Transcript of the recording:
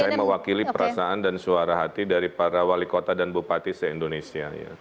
saya mewakili perasaan dan suara hati dari para wali kota dan bupati se indonesia